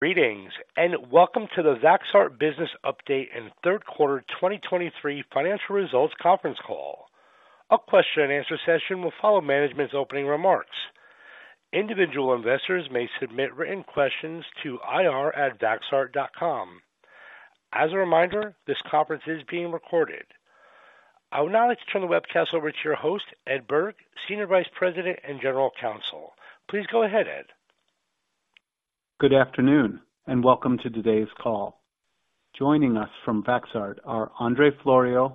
Greetings, and welcome to the Vaxart Business Update and third quarter 2023 financial results conference call. A question and answer session will follow management's opening remarks. Individual investors may submit written questions to ir@vaxart.com. As a reminder, this conference is being recorded. I would now like to turn the webcast over to your host, Ed Berg, Senior Vice President and General Counsel. Please go ahead, Ed. Good afternoon, and welcome to today's call. Joining us from Vaxart are Andrei Floroiu,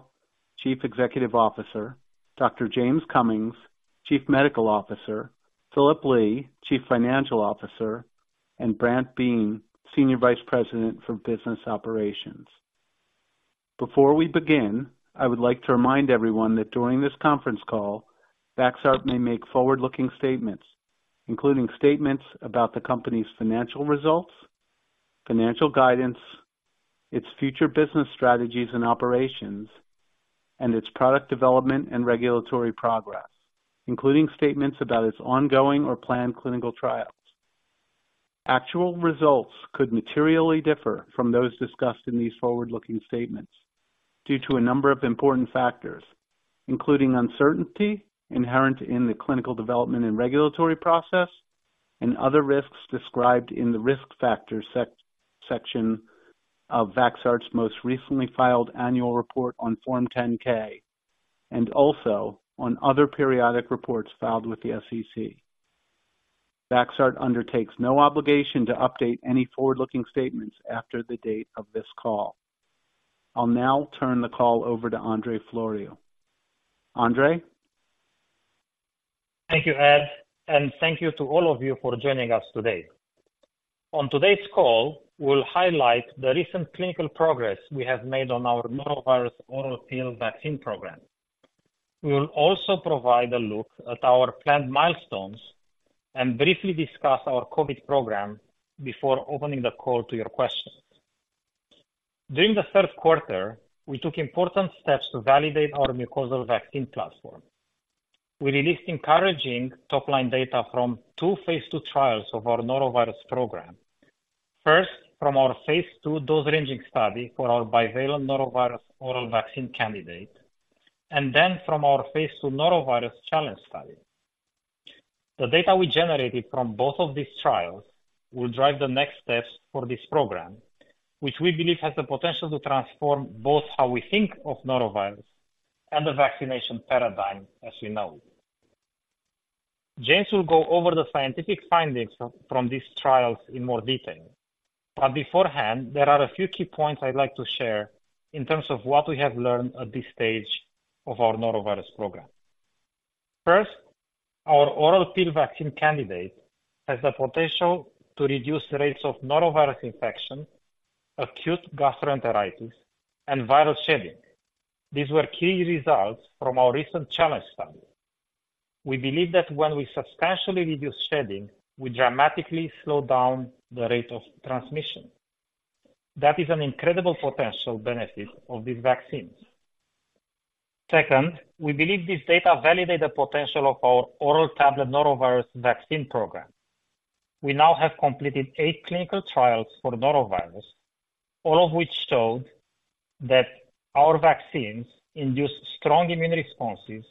Chief Executive Officer; Dr. James Cummings, Chief Medical Officer; Phillip Lee, Chief Financial Officer, and Brant Biehn, Senior Vice President for Business Operations. Before we begin, I would like to remind everyone that during this conference call, Vaxart may make forward-looking statements, including statements about the company's financial results, financial guidance, its future business strategies and operations, and its product development and regulatory progress, including statements about its ongoing or planned clinical trials. Actual results could materially differ from those discussed in these forward-looking statements due to a number of important factors, including uncertainty inherent in the clinical development and regulatory process, and other risks described in the Risk Factors section of Vaxart's most recently filed annual report on Form 10-K, and also on other periodic reports filed with the SEC. Vaxart undertakes no obligation to update any forward-looking statements after the date of this call. I'll now turn the call over to Andrei Floroiu. Andrei? Thank you, Ed, and thank you to all of you for joining us today. On today's call, we'll highlight the recent clinical progress we have made on our norovirus oral pill vaccine program. We will also provide a look at our planned milestones and briefly discuss our COVID program before opening the call to your questions. During the third quarter, we took important steps to validate our mucosal vaccine platform. We released encouraging top-line data from two phase 2 trials of our norovirus program. First, from our phase 2 dose ranging study for our bivalent norovirus oral vaccine candidate, and then from our phase 2 norovirus challenge study. The data we generated from both of these trials will drive the next steps for this program, which we believe has the potential to transform both how we think of norovirus and the vaccination paradigm as we know it. James will go over the scientific findings from these trials in more detail, but beforehand, there are a few key points I'd like to share in terms of what we have learned at this stage of our norovirus program. First, our oral pill vaccine candidate has the potential to reduce rates of norovirus infection, acute gastroenteritis, and viral shedding. These were key results from our recent challenge study. We believe that when we substantially reduce shedding, we dramatically slow down the rate of transmission. That is an incredible potential benefit of these vaccines. Second, we believe these data validate the potential of our oral tablet norovirus vaccine program. We now have completed eight clinical trials for norovirus, all of which showed that our vaccines induce strong immune responses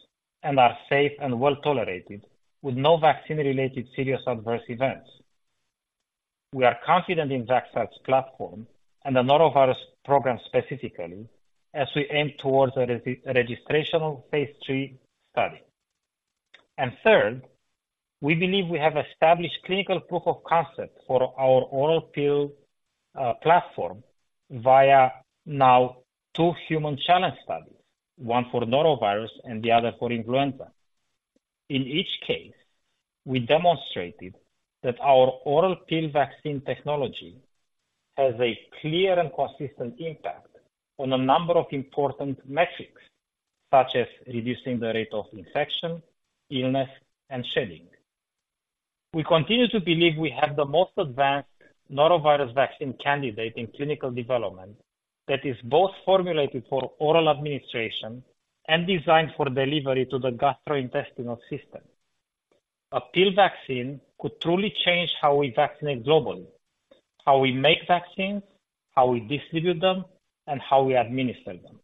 and are safe and well-tolerated, with no vaccine-related serious adverse events. We are confident in Vaxart's platform and the norovirus program specifically, as we aim towards a registrational phase 3 study. Third, we believe we have established clinical proof of concept for our oral pill platform via now two human challenge studies, one for norovirus and the other for influenza. In each case, we demonstrated that our oral pill vaccine technology has a clear and consistent impact on a number of important metrics, such as reducing the rate of infection, illness, and shedding. We continue to believe we have the most advanced norovirus vaccine candidate in clinical development that is both formulated for oral administration and designed for delivery to the gastrointestinal system. A pill vaccine could truly change how we vaccinate globally, how we make vaccines, how we distribute them, and how we administer them.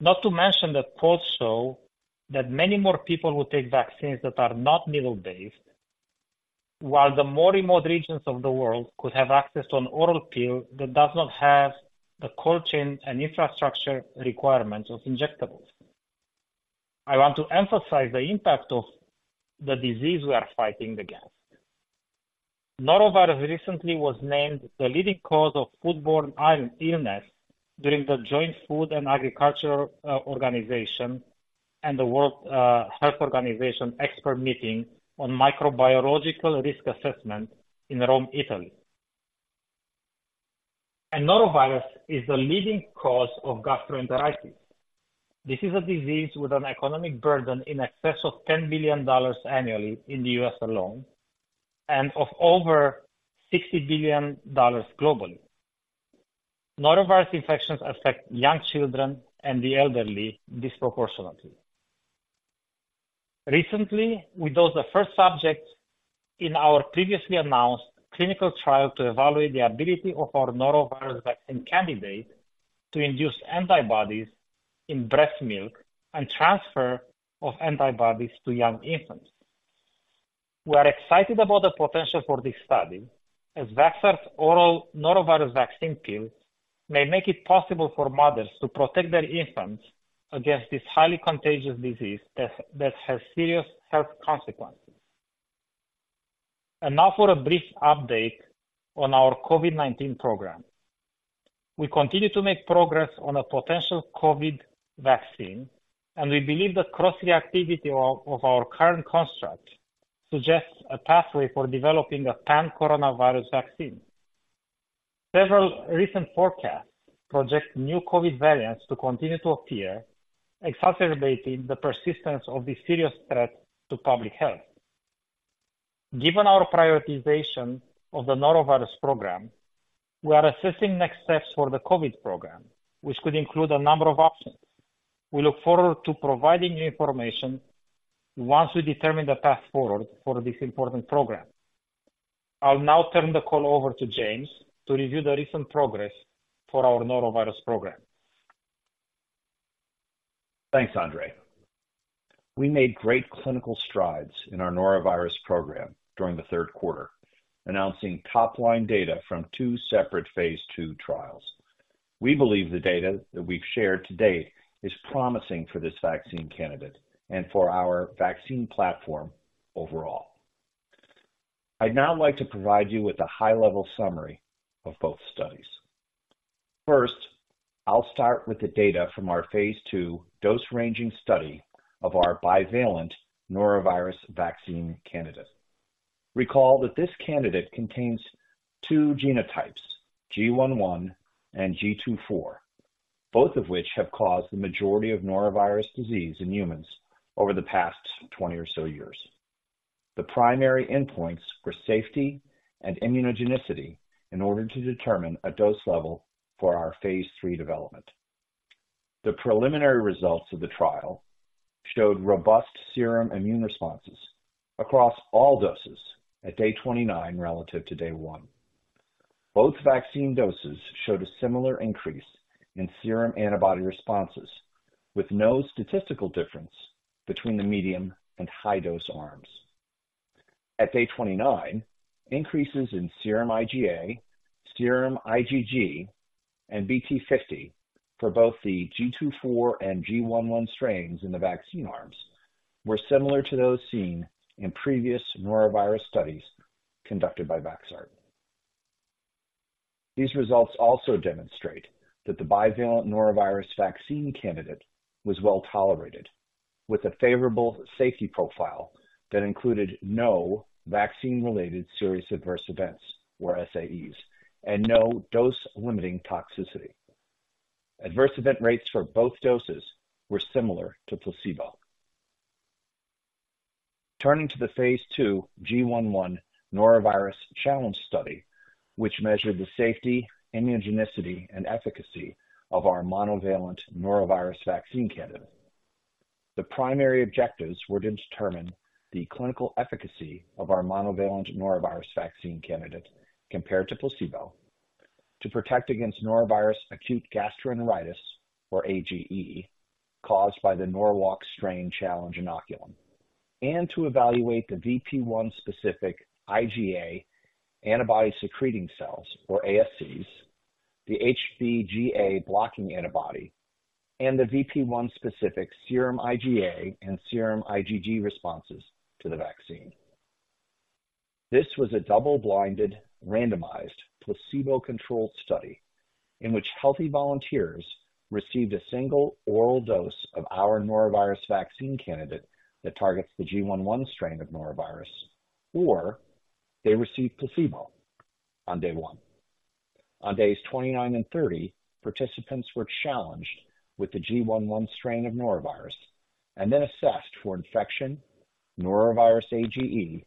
Not to mention that polls show that many more people will take vaccines that are not needle-based, while the more remote regions of the world could have access to an oral pill that does not have the cold chain and infrastructure requirements of injectables. I want to emphasize the impact of the disease we are fighting against. Norovirus recently was named the leading cause of foodborne illness during the Joint Food and Agriculture Organization and the World Health Organization expert meeting on microbiological risk assessment in Rome, Italy. Norovirus is the leading cause of gastroenteritis. This is a disease with an economic burden in excess of $10 billion annually in the U.S. alone, and of over $60 billion globally. Norovirus infections affect young children and the elderly disproportionately. Recently, we dosed the first subject in our previously announced clinical trial to evaluate the ability of our norovirus vaccine candidate to induce antibodies in breast milk and transfer of antibodies to young infants. We are excited about the potential for this study, as Vaxart's oral norovirus vaccine pill may make it possible for mothers to protect their infants against this highly contagious disease that has serious health consequences. And now for a brief update on our COVID-19 program. We continue to make progress on a potential COVID vaccine, and we believe the cross-reactivity of our current construct suggests a pathway for developing a pan-coronavirus vaccine. Several recent forecasts project new COVID variants to continue to appear, exacerbating the persistence of this serious threat to public health. Given our prioritization of the norovirus program, we are assessing next steps for the COVID program, which could include a number of options. We look forward to providing new information once we determine the path forward for this important program. I'll now turn the call over to James to review the recent progress for our norovirus program. Thanks, Andrei. We made great clinical strides in our norovirus program during the third quarter, announcing top-line data from two separate Phase 2 trials. We believe the data that we've shared to date is promising for this vaccine candidate and for our vaccine platform overall. I'd now like to provide you with a high-level summary of both studies. First, I'll start with the data from our Phase 2 dose-ranging study of our bivalent norovirus vaccine candidate. Recall that this candidate contains two genotypes, GI.1 and GII.4, both of which have caused the majority of norovirus disease in humans over the past 20 or so years. The primary endpoints were safety and immunogenicity in order to determine a dose level for our Phase 3 development. The preliminary results of the trial showed robust serum immune responses across all doses at day 29 relative to day one. Both vaccine doses showed a similar increase in serum antibody responses, with no statistical difference between the medium and high-dose arms. At day 29, increases in serum IgA, serum IgG, and VT50 for both the GII.4 and GI.1 strains in the vaccine arms were similar to those seen in previous norovirus studies conducted by Vaxart. These results also demonstrate that the bivalent norovirus vaccine candidate was well-tolerated, with a favorable safety profile that included no vaccine-related serious adverse events, or SAEs, and no dose-limiting toxicity. Adverse event rates for both doses were similar to placebo. Turning to the phase 2 GI.1 norovirus challenge study, which measured the safety, immunogenicity, and efficacy of our monovalent norovirus vaccine candidate. The primary objectives were to determine the clinical efficacy of our monovalent norovirus vaccine candidate compared to placebo, to protect against norovirus acute gastroenteritis, or AGE, caused by the Norwalk strain challenge inoculum, and to evaluate the VP1-specific IgA antibody-secreting cells, or ASCs, the HBGA blocking antibody, and the VP1-specific serum IgA and serum IgG responses to the vaccine. This was a double-blinded, randomized, placebo-controlled study in which healthy volunteers received a single oral dose of our norovirus vaccine candidate that targets the GI.1 strain of norovirus, or they received placebo on day one. On days 29 and 30, participants were challenged with the GI.1 strain of norovirus and then assessed for infection, norovirus AGE,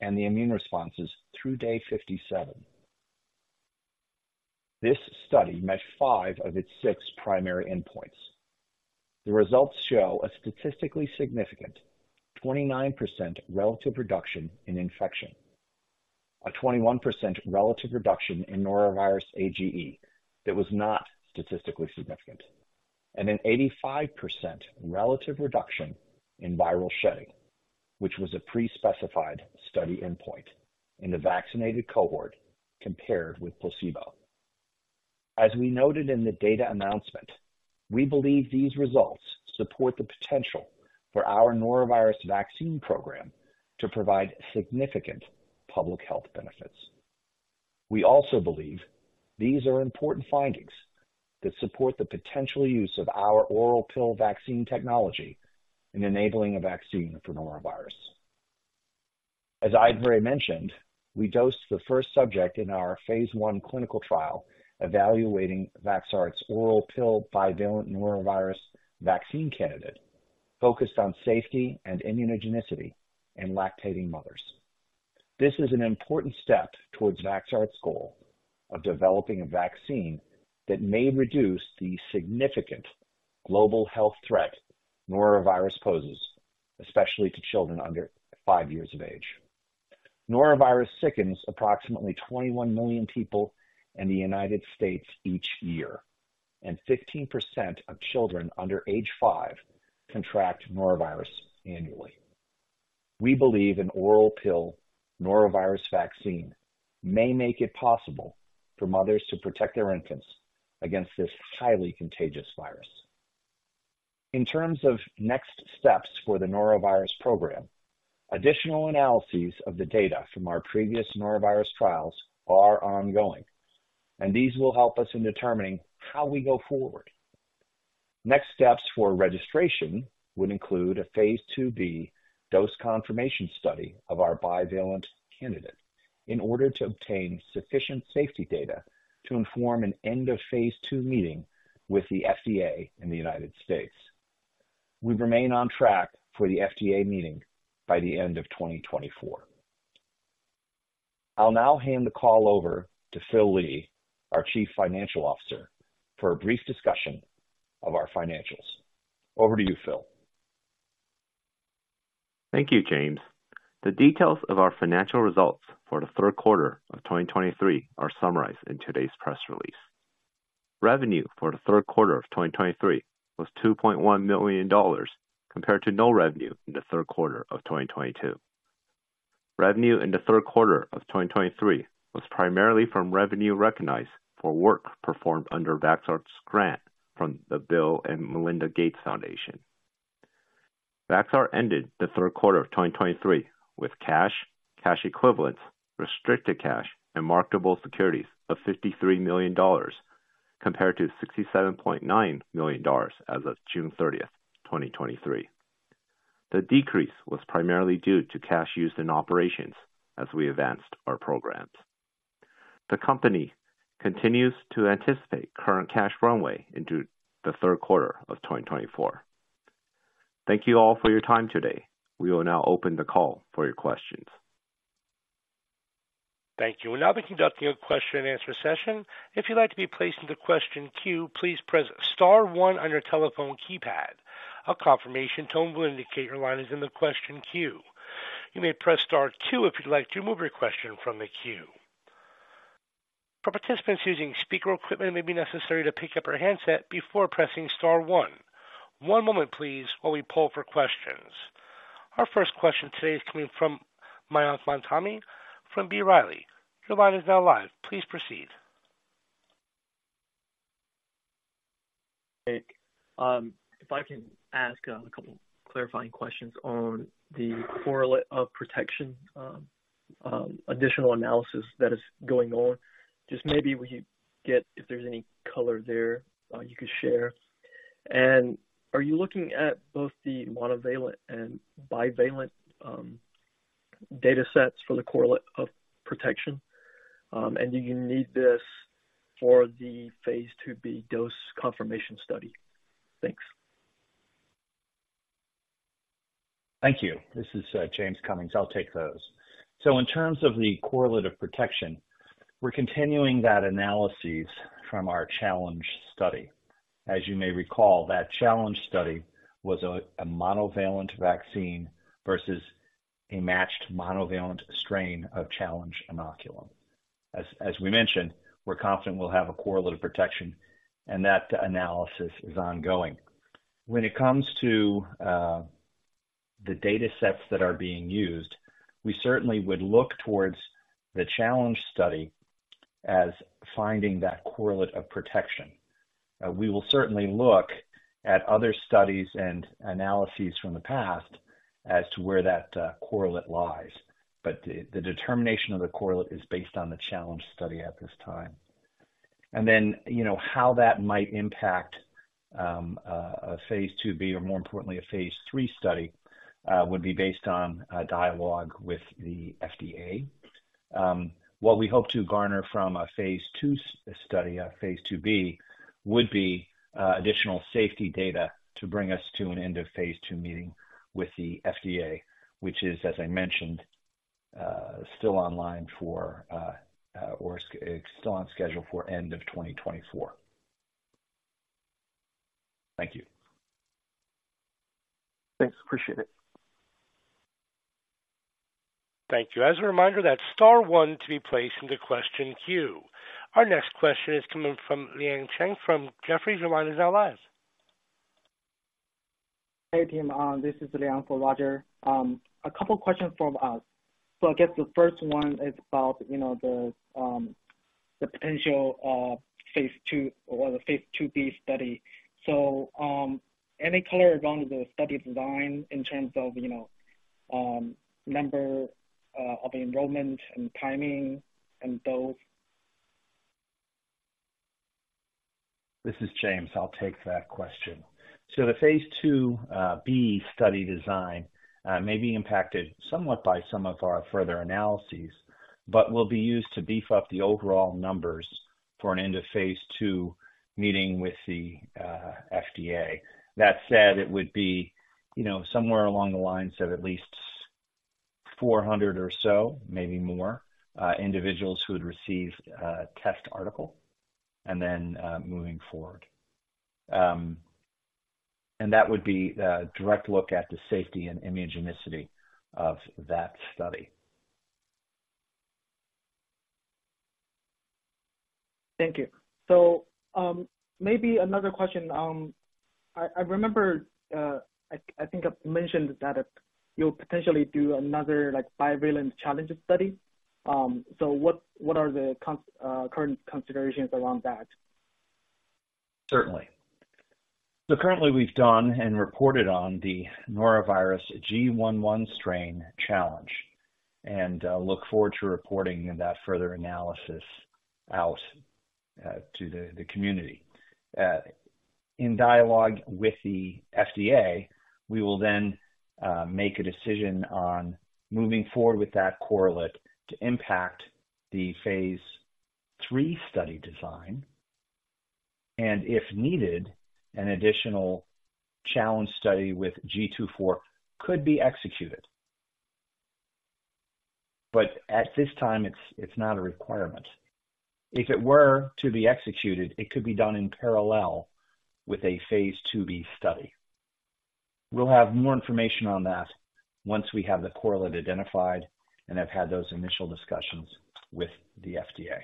and the immune responses through day 57. This study met five of its six primary endpoints. The results show a statistically significant 29% relative reduction in infection, a 21% relative reduction in norovirus AGE that was not statistically significant, and an 85% relative reduction in viral shedding, which was a pre-specified study endpoint in the vaccinated cohort compared with placebo. As we noted in the data announcement, we believe these results support the potential for our norovirus vaccine program to provide significant public health benefits. We also believe these are important findings that support the potential use of our oral pill vaccine technology in enabling a vaccine for norovirus. As I mentioned, we dosed the first subject in our phase 1 clinical trial evaluating Vaxart's oral pill bivalent norovirus vaccine candidate, focused on safety and immunogenicity in lactating mothers.... This is an important step towards Vaxart's goal of developing a vaccine that may reduce the significant global health threat norovirus poses, especially to children under five years of age. Norovirus sickens approximately 21 million people in the United States each year, and 15% of children under age five contract norovirus annually. We believe an oral pill norovirus vaccine may make it possible for mothers to protect their infants against this highly contagious virus. In terms of next steps for the norovirus program, additional analyses of the data from our previous norovirus trials are ongoing, and these will help us in determining how we go forward. Next steps for registration would include a phase 2B dose confirmation study of our bivalent candidate in order to obtain sufficient safety data to inform an end of phase 2 meeting with the FDA in the United States. We remain on track for the FDA meeting by the end of 2024. I'll now hand the call over to Phil Lee, our Chief Financial Officer, for a brief discussion of our financials. Over to you, Phil. Thank you, James. The details of our financial results for the third quarter of 2023 are summarized in today's press release. Revenue for the third quarter of 2023 was $2.1 million, compared to no revenue in the third quarter of 2022. Revenue in the third quarter of 2023 was primarily from revenue recognized for work performed under Vaxart's grant from the Bill & Melinda Gates Foundation. Vaxart ended the third quarter of 2023 with cash, cash equivalents, restricted cash and marketable securities of $53 million, compared to $67.9 million as of June 30th, 2023. The decrease was primarily due to cash used in operations as we advanced our programs. The company continues to anticipate current cash runway into the third quarter of 2024. Thank you all for your time today. We will now open the call for your questions. Thank you. We'll now be conducting a question and answer session. If you'd like to be placed in the question queue, please press star one on your telephone keypad. A confirmation tone will indicate your line is in the question queue. You may press star two if you'd like to remove your question from the queue. For participants using speaker equipment, it may be necessary to pick up your handset before pressing star one. One moment please, while we poll for questions. Our first question today is coming from Mayank Mamtani from B. Riley. Your line is now live. Please proceed. If I can ask a couple clarifying questions on the correlate of protection additional analysis that is going on. Just maybe we could get if there's any color there you could share. Are you looking at both the monovalent and bivalent data sets for the correlate of protection? Do you need this for the Phase 2B dose confirmation study? Thanks. Thank you. This is James Cummings. I'll take those. So in terms of the correlate of protection, we're continuing that analysis from our challenge study. As you may recall, that challenge study was a monovalent vaccine versus a matched monovalent strain of challenge inoculum. As we mentioned, we're confident we'll have a correlate of protection and that analysis is ongoing. When it comes to the data sets that are being used, we certainly would look towards the challenge study as finding that correlate of protection. We will certainly look at other studies and analyses from the past as to where that correlate lies. But the determination of the correlate is based on the challenge study at this time. And then, you know, how that might impact, a phase 2B or more importantly, a phase 3 study, would be based on a dialogue with the FDA. What we hope to garner from a phase 2B study, would be, additional safety data to bring us to an end of phase 2 meeting with the FDA, which is, as I mentioned, still online for, or still on schedule for end of 2024. Thank you. Thanks, appreciate it. Thank you. As a reminder, that's star one to be placed into question queue. Our next question is coming from Liang Cheng from Jefferies. Your line is now live. Hey, team, this is Liang for Roger. A couple questions from us. So I guess the first one is about, you know, the potential phase 2 or the phase 2B study. So, any color around the study design in terms of, you know, number of enrollment and timing and those? This is James. I'll take that question. So the phase 2B study design may be impacted somewhat by some of our further analyses, but will be used to beef up the overall numbers for an end of Phase 2 meeting with the FDA. That said, it would be, you know, somewhere along the lines of at least 400 or so, maybe more, individuals who had received a test article and then moving forward. And that would be a direct look at the safety and immunogenicity of that study. Thank you. So, maybe another question. I remember, I think I've mentioned that you'll potentially do another, like, bivalent challenge study. So what are the current considerations around that? Certainly. So currently we've done and reported on the norovirus GI.1 strain challenge, and look forward to reporting in that further analysis out to the community. In dialogue with the FDA, we will then make a decision on moving forward with that correlate to impact the phase 3 study design. And if needed, an additional challenge study with GII.4 could be executed. But at this time, it's not a requirement. If it were to be executed, it could be done in parallel with a phase 2B study. We'll have more information on that once we have the correlate identified and have had those initial discussions with the FDA.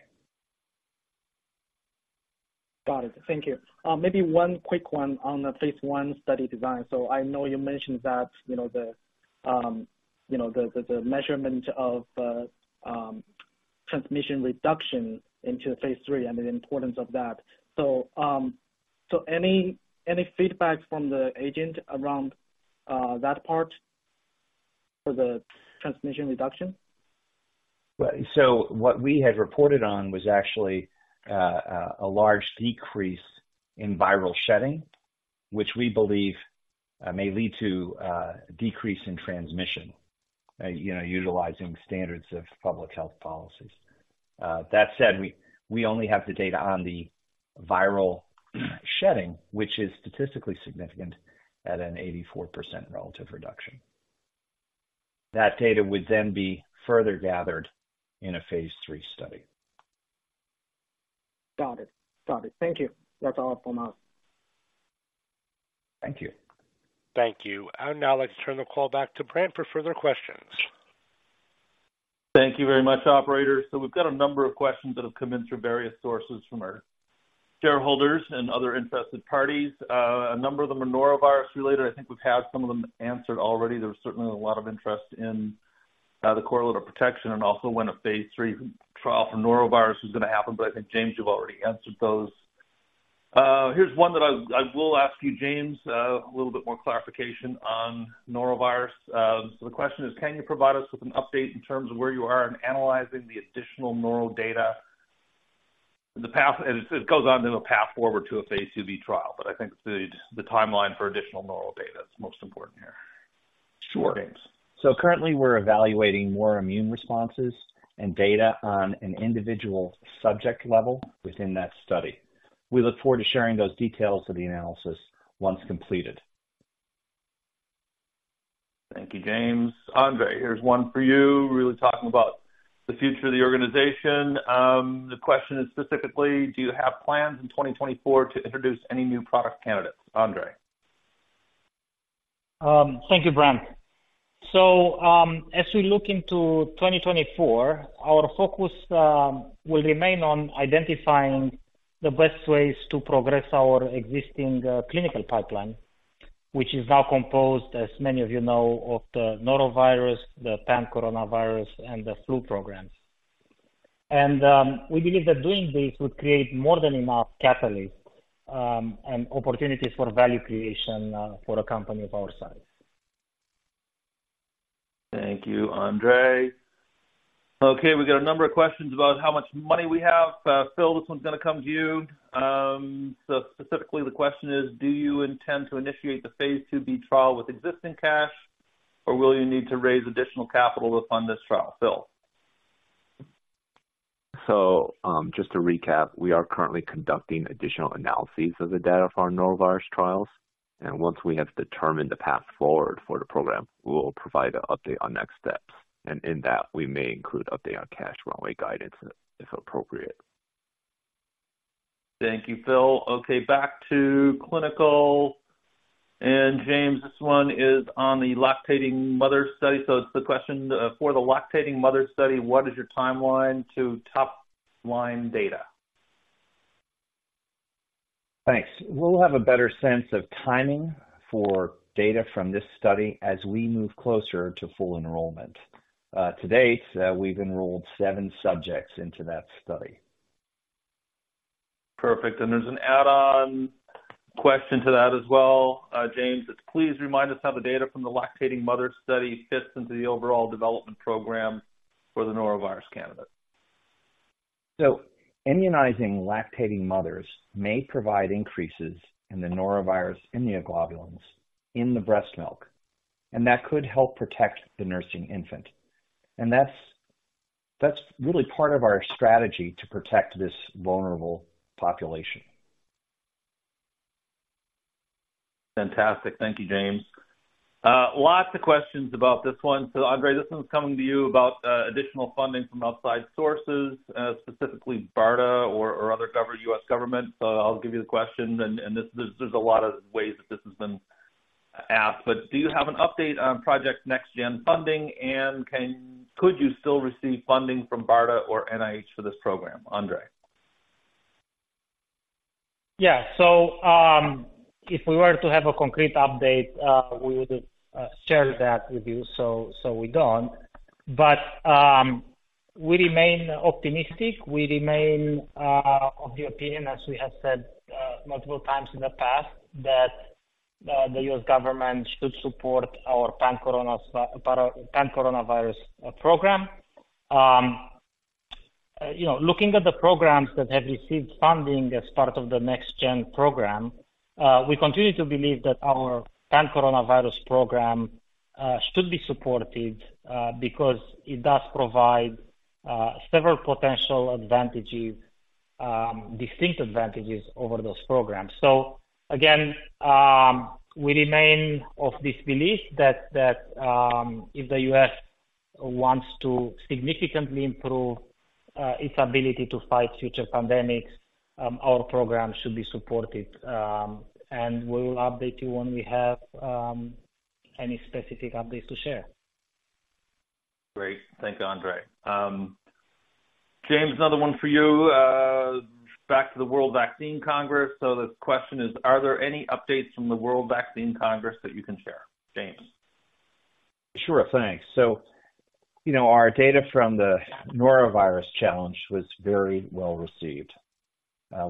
Got it. Thank you. Maybe one quick one on the phase I study design. So I know you mentioned that, you know, the measurement of transmission reduction into phase III and the importance of that. So, any feedback from the agency around that part for the transmission reduction? Well, so what we had reported on was actually a large decrease in viral shedding, which we believe may lead to a decrease in transmission, you know, utilizing standards of public health policies. That said, we only have the data on the viral shedding, which is statistically significant at an 84% relative reduction. That data would then be further gathered in a Phase 3 study. Got it. Got it. Thank you. That's all from us. Thank you. Thank you. I'd now like to turn the call back to Brant for further questions. Thank you very much, operator. So we've got a number of questions that have come in through various sources from our shareholders and other interested parties. A number of them are norovirus related. I think we've had some of them answered already. There was certainly a lot of interest in the correlate of protection and also when a phase 3 trial for norovirus is going to happen, but I think, James, you've already answered those. Here's one that I will ask you, James, a little bit more clarification on norovirus. So the question is: Can you provide us with an update in terms of where you are in analyzing the additional Norwalk data? The path... It goes on to a path forward to a phase 2B trial, but I think the timeline for additional Norwalk data is most important here. Sure. Thanks. Currently we're evaluating more immune responses and data on an individual subject level within that study. We look forward to sharing those details of the analysis once completed. Thank you, James. Andrei, here's one for you, really talking about the future of the organization. The question is specifically: Do you have plans in 2024 to introduce any new product candidates? Andrei? Thank you, Brant. So, as we look into 2024, our focus will remain on identifying the best ways to progress our existing clinical pipeline, which is now composed, as many of you know, of the norovirus, the pan-coronavirus, and the flu programs. We believe that doing this would create more than enough catalyst and opportunities for value creation for a company of our size. Thank you, Andrei. Okay, we've got a number of questions about how much money we have. Phil, this one's going to come to you. So specifically the question is: Do you intend to initiate the Phase 2B trial with existing cash, or will you need to raise additional capital to fund this trial? Phil. Just to recap, we are currently conducting additional analyses of the data for our norovirus trials, and once we have determined the path forward for the program, we will provide an update on next steps. In that, we may include update on cash runway guidance, if appropriate. Thank you, Phil. Okay, back to clinical. And James, this one is on the lactating mother study. So the question: for the lactating mother study, what is your timeline to top-line data? Thanks. We'll have a better sense of timing for data from this study as we move closer to full enrollment. To date, we've enrolled seven subjects into that study. Perfect. And there's an add-on question to that as well. James, please remind us how the data from the lactating mother study fits into the overall development program for the norovirus candidate. So immunizing lactating mothers may provide increases in the norovirus immunoglobulins in the breast milk, and that could help protect the nursing infant... And that's, that's really part of our strategy to protect this vulnerable population. Fantastic. Thank you, James. Lots of questions about this one. So, Andrei, this one's coming to you about additional funding from outside sources, specifically BARDA or, or other government, U.S. government. So I'll give you the question, and, and this, there's a lot of ways that this has been asked, but do you have an update on Project Next Gen funding, and could you still receive funding from BARDA or NIH for this program? Andrei? Yeah. So, if we were to have a concrete update, we would share that with you. So we don't. But we remain optimistic. We remain of the opinion, as we have said multiple times in the past, that the U.S. government should support our pan-coronavirus program. You know, looking at the programs that have received funding as part of the Next Gen program, we continue to believe that our pan-coronavirus program should be supported because it does provide several potential advantages, distinct advantages over those programs. So again, we remain of this belief that if the U.S. wants to significantly improve its ability to fight future pandemics, our program should be supported. And we will update you when we have any specific updates to share. Great. Thank you, Andrei. James, another one for you. Back to the World Vaccine Congress. The question is, are there any updates from the World Vaccine Congress that you can share? James. Sure. Thanks. So, you know, our data from the norovirus challenge was very well received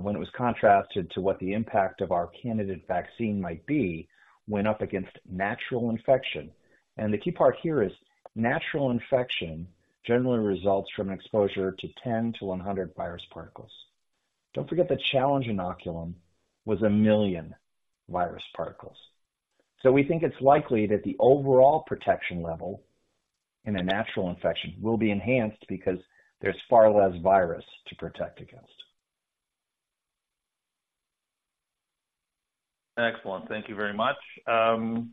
when it was contrasted to what the impact of our candidate vaccine might be went up against natural infection. And the key part here is natural infection generally results from an exposure to 10-100 virus particles. Don't forget, the challenge inoculum was 1 million virus particles. So we think it's likely that the overall protection level in a natural infection will be enhanced because there's far less virus to protect against. Excellent. Thank you very much. Phil,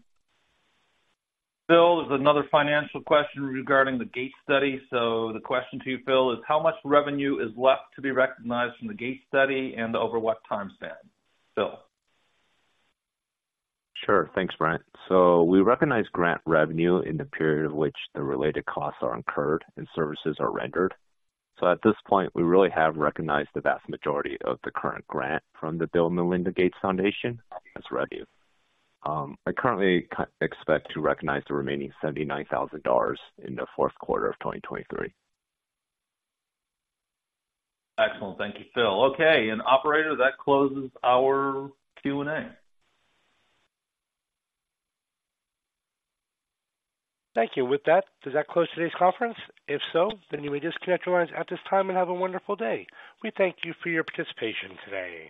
there's another financial question regarding the Gates study. So the question to you, Phil, is how much revenue is left to be recognized from the Gates study and over what time span? Phil. Sure. Thanks, Brant. So we recognize grant revenue in the period in which the related costs are incurred and services are rendered. So at this point, we really have recognized the vast majority of the current grant from the Bill & Melinda Gates Foundation as revenue. I currently expect to recognize the remaining $79,000 in the fourth quarter of 2023. Excellent. Thank you, Phil. Okay, and operator, that closes our Q&A. Thank you. With that, does that close today's conference? If so, then you may disconnect your lines at this time and have a wonderful day. We thank you for your participation today.